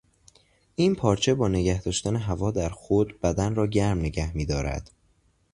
این پارچه با نگهداشتن هوا در خود بدن را گرم نگه میدارد.